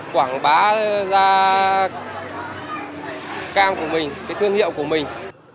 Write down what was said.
quảng bá ra cam của mình cái thương hiệu của mình